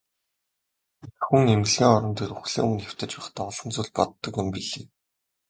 Эх хүн эмнэлгийн орон дээр үхлийн өмнө хэвтэж байхдаа олон зүйл боддог юм билээ.